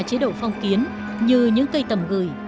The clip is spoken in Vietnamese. chế độ phong kiến như những cây tầm gửi